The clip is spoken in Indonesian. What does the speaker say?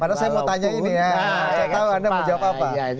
karena saya mau tanya ini ya saya tahu anda menjawab apa